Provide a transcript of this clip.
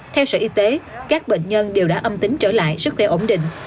theo sở y tế các bệnh nhân đều đã âm tính trở lại sức khỏe ổn định